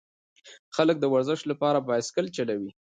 خلک د ورزش لپاره بایسکل چلوي.